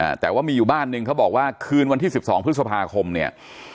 อ่าแต่ว่ามีอยู่บ้านหนึ่งเขาบอกว่าคืนวันที่สิบสองพฤษภาคมเนี้ย